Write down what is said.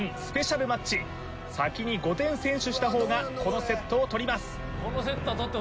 スペシャルマッチ先に５点先取した方がこのセットをとります